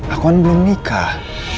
aku kan belum nikah